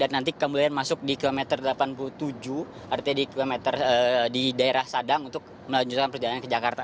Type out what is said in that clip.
nanti kemudian masuk di kilometer delapan puluh tujuh artinya di kilometer di daerah sadang untuk melanjutkan perjalanan ke jakarta